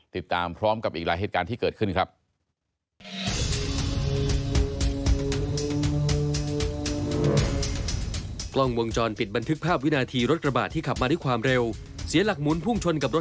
ติดตามพร้อมกับอีกหลายเหตุการณ์ที่เกิดขึ้นครับ